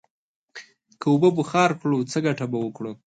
که اوبه بخار کړو، څه گټه به وکړو؟